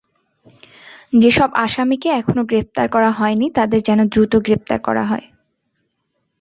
যেসব আসামিকে এখনো গ্রেপ্তার করা হয়নি, তাদের যেন দ্রুত গ্রেপ্তার করা হয়।